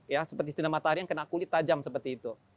ya seperti sinar matahari yang kena kulit tajam seperti itu